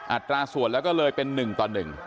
อัตราส่วนแล้วก็เลยเป็น๑ต่อ๑